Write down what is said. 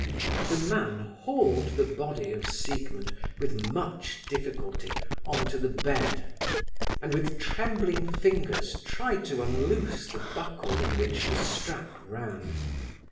The man hauled the body of Siegmund, with much difficulty, on to the bed, and with trembling fingers tried to unloose the buckle in which the strap ran.